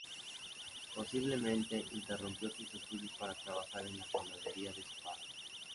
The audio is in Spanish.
Posiblemente interrumpió sus estudios para trabajar en la panadería de su padre.